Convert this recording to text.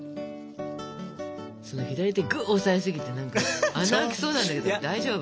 その左手ぐ押さえすぎて何か穴開きそうなんだけど大丈夫？